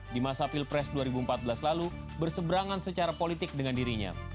di masa pilpres dua ribu empat belas lalu berseberangan secara politik dengan dirinya